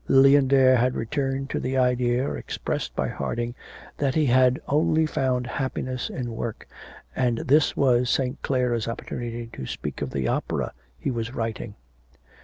Lilian Dare had returned to the idea expressed by Harding that he had only found happiness in work, and this was St. Clare's opportunity to speak of the opera he was writing.